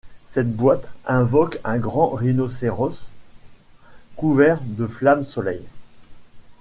Cette boîte invoque un grand Rhinocéros couvert de flamme Soleil.